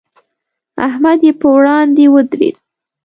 احمد یې پر وړاندې ودرېد.